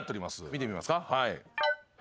見てみますか。